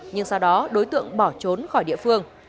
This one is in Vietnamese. nhưng sau đó đối tượng bỏ trốn khỏi địa phương